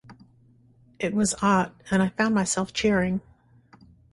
It was art, and I found myself cheering.